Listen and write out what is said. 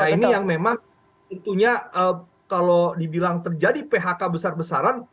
ini yang memang tentunya kalau dibilang terjadi phk besar besaran